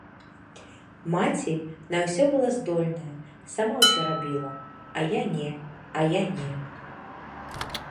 Маці на ўсё была здольная, сама ўсё рабіла, а я не, а я не.